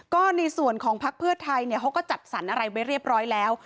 ก็ในส่วนของพักเพื่อไทยเขาก็จัดสรรอะไรไว้เรียบร้อยแล้ว